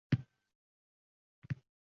Ilm ortidan uyli bo‘lgan olima ayol hikoyasi